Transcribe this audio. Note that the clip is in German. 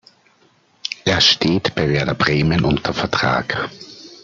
Er steht bei Werder Bremen unter Vertrag.